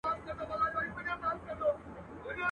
چي لمبې یې پورته کیږي له وزرو.